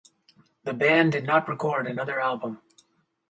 The band did not record another album.